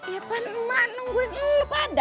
ya pan mak nungguin lu pada